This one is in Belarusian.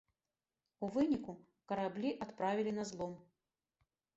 У выніку, караблі адправілі на злом.